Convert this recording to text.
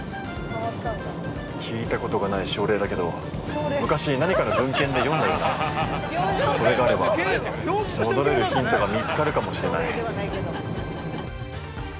◆聞いたことがない症例だけど、昔、何かの文献で読んだようなそれがあれば、戻れるヒントが見つかるかもしれない。